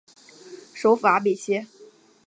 首府阿贝歇。